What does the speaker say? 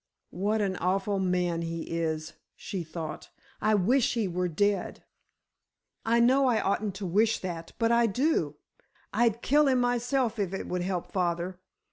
"What an awful man he is," she thought. "I wish he were dead! I know I oughtn't to wish that, but I do. I'd kill him myself if it would help father.